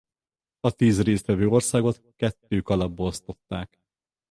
A tíz részt vevő országot kettő kalapba osztották.